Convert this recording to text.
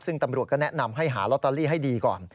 ซึ่งตำรวจก็แนะนำให้หาลอตเตอรี่ให้ดีก่อน